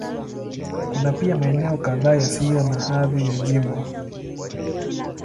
Kuna pia maeneo kadhaa yasiyo na hadhi ya jimbo.